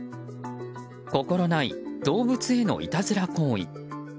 心ない動物へのいたずら行為。